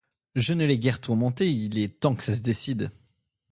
Je ne l’ai guère tourmenté, il est temps que ça se décide.